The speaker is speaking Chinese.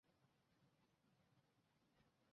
不过市民无法作完整的足球或篮球比赛。